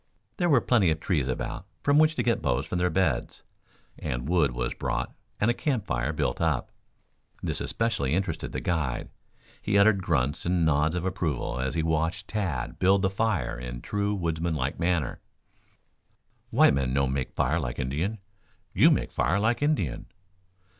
There were plenty of trees about from which to get boughs for their beds, and wood was brought and a campfire built up. This especially interested the guide. He uttered grunts and nods of approval as he watched Tad build the fire in true woodsman like manner. "White man no make fire like Indian. You make fire like Indian."